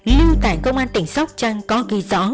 lưu tại công an tỉnh sóc trăng có ghi rõ